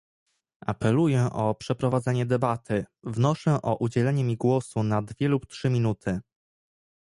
Apeluję o przeprowadzenie debaty, wnoszę o udzielenie mi głosu na dwie lub trzy minuty